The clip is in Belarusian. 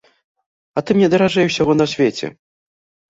А ты мне даражэй усяго на свеце!